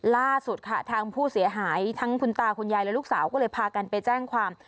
ล่าสุดค่ะทางผู้เสียหายทั้งคุณตาคุณยายและลูกสาวก็เลยพากันไปแจ้งความ